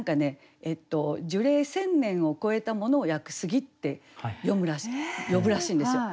樹齢１，０００年を越えたものを屋久杉って呼ぶらしいんですよ。